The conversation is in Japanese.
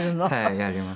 やります。